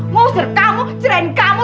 ngusir kamu cerain kamu